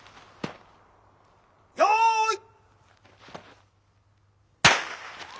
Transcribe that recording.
よい。